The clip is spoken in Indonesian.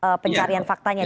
hasil pencarian faktanya